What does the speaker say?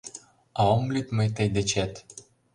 А ом лӱд мый тый дечет!